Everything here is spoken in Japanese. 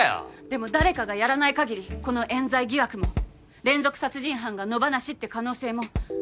でも誰かがやらない限りこのえん罪疑惑も連続殺人犯が野放しって可能性もこのまま闇に葬られてしまいます。